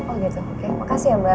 oh gitu oke makasih ya mbak